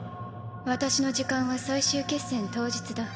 私の時間は最終決戦当日だ。